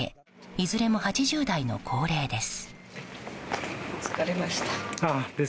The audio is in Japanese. いずれも８０代の高齢です。